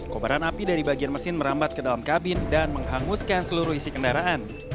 kobaran api dari bagian mesin merambat ke dalam kabin dan menghanguskan seluruh isi kendaraan